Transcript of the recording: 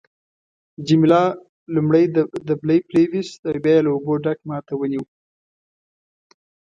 جميله لومړی دبلی پریویست او بیا یې له اوبو ډک ما ته ونیو.